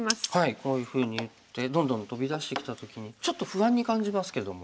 こういうふうに打ってどんどんトビ出してきた時にちょっと不安に感じますけども。